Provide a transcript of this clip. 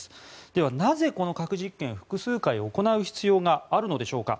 ではなぜ、この核実験を複数回行う必要があるのでしょうか。